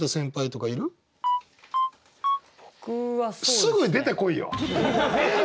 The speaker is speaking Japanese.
すぐ出てこいよ！